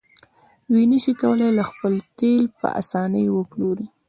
دوی نشي کولی خپل تیل په اسانۍ وپلوري.